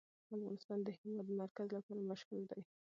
افغانستان د د هېواد مرکز لپاره مشهور دی.